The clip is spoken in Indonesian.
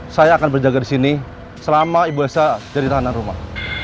saya akan berjaga disini selama ibu elsa jadi tahanan rumah